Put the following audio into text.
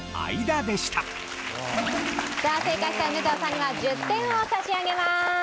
さあ正解した梅沢さんには１０点を差し上げます。